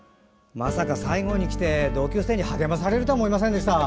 まさか最後にきて同級生に励まされるとは思いませんでした。